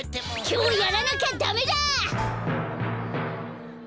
きょうやらなきゃダメだ！